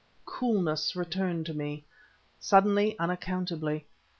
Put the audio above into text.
Coolness returned to me, suddenly, unaccountably.